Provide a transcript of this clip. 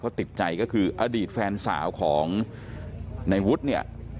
เขาติดใจก็คืออดีตแฟนสาวของในวุฒิเนี่ย